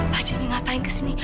pak jamil ngapain kesini